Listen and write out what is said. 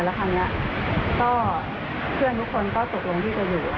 แล้วครั้งนี้ก็เพื่อนทุกคนก็ตกลงที่จะอยู่